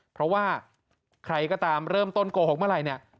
เพราะว่าใครก็ตามเริ่มต้นโกหกเมื่อไหร่เนี่ย